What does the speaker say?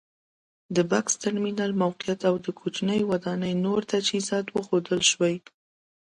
د بکس ترمینل موقعیت او د کوچنۍ ودانۍ نور تجهیزات ښودل شوي.